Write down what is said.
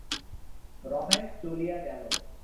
রমেশ চলিয়া গেল।